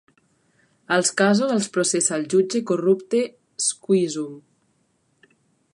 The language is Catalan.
Els casos els processa el jutge corrupte Squeezum.